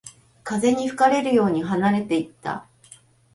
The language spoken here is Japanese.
風に吹かれるように離れていった